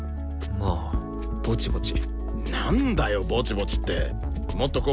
まあぼちぼち。